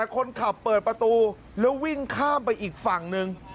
คนขับเปิดประตูแล้ววิ่งข้ามไปอีกฝั่งหนึ่ง